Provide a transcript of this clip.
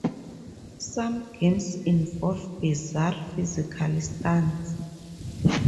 Some games involve bizarre physical stunts.